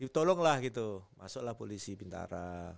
tolonglah gitu masuklah polisi bintara